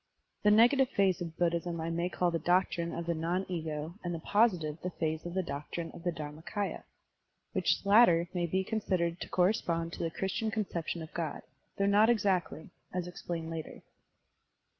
The negative phase of Buddhism I may call the doctrine of the non ego and the positive phase the doctrine of Dharmak&ya (which latter may be considered to correspond to the Christian conception of God, though not exactly, as explained later).